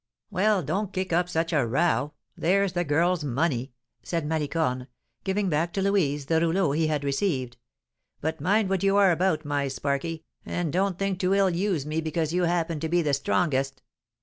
"Well, don't kick up such a row! There's the girl's money," said Malicorne, giving back to Louise the rouleau he had received. "But mind what you are about, my sparky, and don't think to ill use me because you happen to be the strongest!"